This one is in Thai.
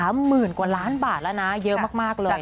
หมื่นกว่าล้านบาทแล้วนะเยอะมากเลย